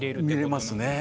見れますね。